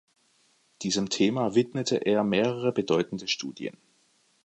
Diesem Thema widmete er mehrere bedeutende Studien.